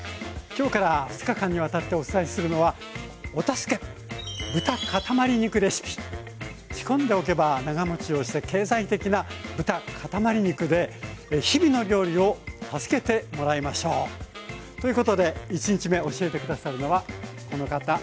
今日から２日間にわたってお伝えするのは仕込んでおけば長もちをして経済的な豚かたまり肉で日々の料理を助けてもらいましょう。ということで１日目教えて下さるのはこの方栗原心平さんです。